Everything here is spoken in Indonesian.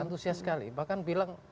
antusias sekali bahkan bilang